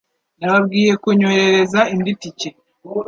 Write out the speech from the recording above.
Nababwiye kunyoherereza indi tike.